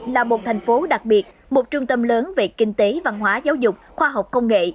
là một thành phố đặc biệt một trung tâm lớn về kinh tế văn hóa giáo dục khoa học công nghệ